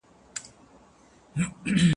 دشپو غوندي به ورځي وفاداري جوړوم